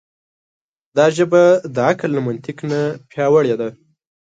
دا ژبه د عقل له منطق نه پیاوړې ده.